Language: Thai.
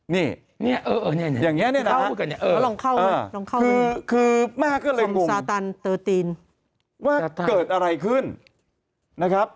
นี่อย่างนี้นะครับคือแม่ก็เลยงงว่าเกิดอะไรขึ้นนะครับ